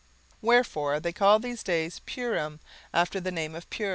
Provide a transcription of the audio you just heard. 17:009:026 Wherefore they called these days Purim after the name of Pur.